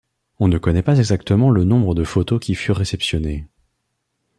On ne connaît pas exactement le nombre de photos qui furent réceptionnées.